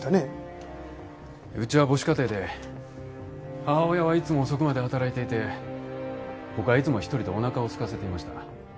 うちは母子家庭で母親はいつも遅くまで働いていて僕はいつも１人でおなかをすかせていました。